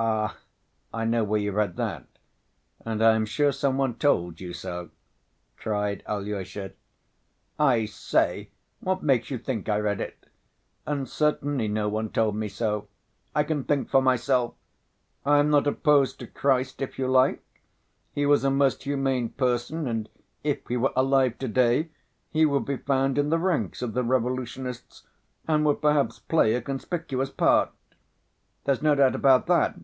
"Ah, I know where you read that, and I am sure some one told you so!" cried Alyosha. "I say, what makes you think I read it? And certainly no one told me so. I can think for myself.... I am not opposed to Christ, if you like. He was a most humane person, and if He were alive to‐day, He would be found in the ranks of the revolutionists, and would perhaps play a conspicuous part.... There's no doubt about that."